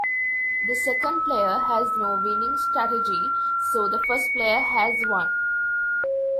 The second player has no winning strategy so the first player has one.